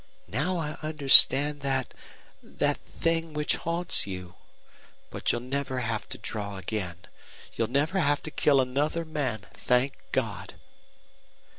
Now I understand that that thing which haunts you. But you'll never have to draw again. You'll never have to kill another man, thank God!"